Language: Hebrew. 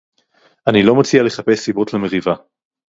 אני לא מציע לחפש סיבות למריבה